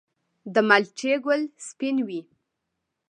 د مالټې ګل سپین وي؟